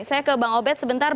saya ke bang obed sebentar